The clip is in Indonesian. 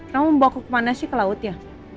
kamu bawa aku kemana sih ke laut ya